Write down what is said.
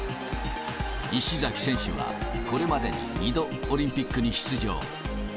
石崎選手はこれまでに２度、オリンピックに出場。